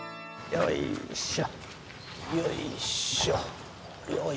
よいしょ！